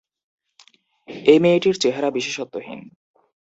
এই মেয়েটির চেহারা বিশেষত্বহীন।